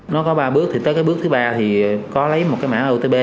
nó có ba bước tới bước thứ ba thì có lấy một cái mã